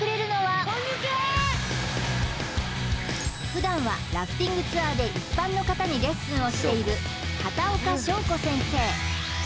普段はラフティングツアーで一般の方にレッスンをしている片岡尚子先生